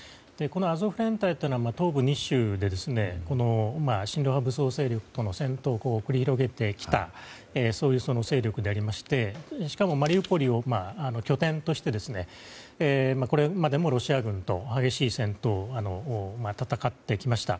アゾフ連隊は東部２州で、親露派武装勢力との戦闘を繰り広げてきたそういう勢力でありましてしかも、マリウポリを拠点としてこれまでもロシア軍と激しい戦闘を戦ってきました。